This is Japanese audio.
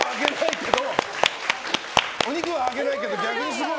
お肉はあげないけど逆にすごい。